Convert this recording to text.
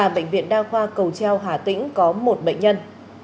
bệnh viện đa khoa cầu treo hà tĩnh có một bệnh nhân